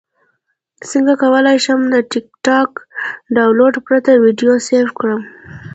څنګه کولی شم د ټکټاک ډاونلوډ پرته ویډیو سیف کړم